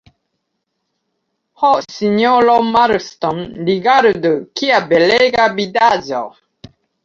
Ho, sinjoro Marston, rigardu, kia belega vidaĵo!